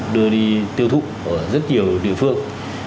đưa đi tiêu thụ ở rất nhiều địa phương